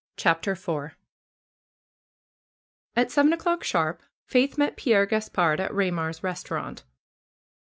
CHAPTER IV At seven o'clock sharp Faith met Pierre Gaspard at Raymor's restaurant.